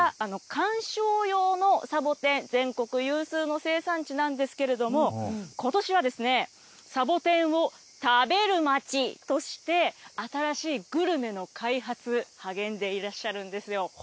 こちら、観賞用のサボテン、全国有数の生産地なんですけれども、ことしはですね、さぼてんを食べる町として、新しいグルメの開発、励んでいらっしゃるんですよ。